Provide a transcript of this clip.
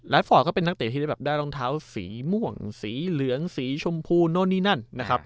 แรทฟอร์ตก็เป็นนักเตะที่ได้รองเท้าสีม่วงสีเหลืองสีชมพูโน่นนี่นั่น